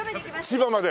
千葉まで？